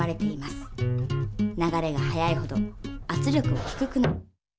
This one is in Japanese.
流れが速いほどあつ力は低くなり。